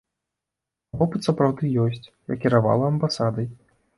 А вопыт сапраўды ёсць, я кіравала амбасадай.